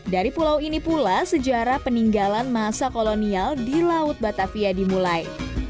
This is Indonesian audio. dari pulau ini pula sejarah peninggalan masa kolonial di laut batavia dimulai